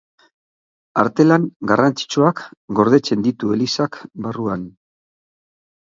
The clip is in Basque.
Artelan garrantzitsuak gordetzen ditu elizak barruan.